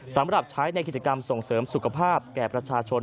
สำหรับใช้ในกิจกรรมส่งเสริมสุขภาพแก่ประชาชน